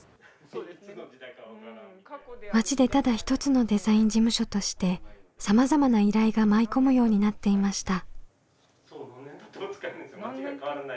町でただ一つのデザイン事務所としてさまざまな依頼が舞い込むようになっていました。